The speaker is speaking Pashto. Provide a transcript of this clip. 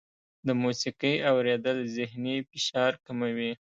د موسیقۍ اورېدل ذهني فشار کموي.